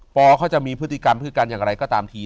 เขาจะมีพฤติกรรมพฤติกรรมอย่างไรก็ตามที